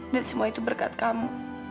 dan semua itu berkat kamu